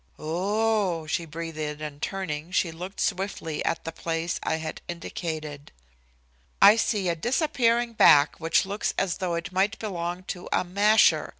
"Oh h h!" she breathed, and turning, she looked swiftly at the place I had indicated. "I see a disappearing back which looks as though it might belong to a 'masher.'